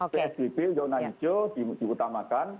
psbb yonah hijo diutamakan